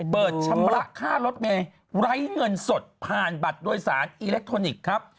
เปิดชำระค่ารถเมย์ไร้เงินสดผ่านบัตรโดยสารอิเล็กทรอนิกส์ครับ